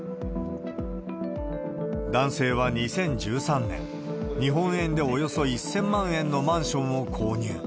男性は２０１３年、日本円でおよそ１０００万円のマンションを購入。